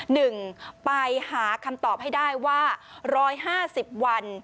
หนึ่งไปหาคำตอบให้ได้ว่า๑๕๐วัน